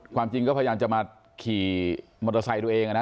ความจริงก็พยายามจะมาขี่มอเตอร์ไซค์ตัวเองนะ